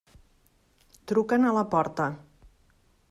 Truquen a la porta.